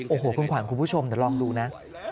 โอ้โหคุณขวัญคุณผู้ชมเดี๋ยวลองดูนะ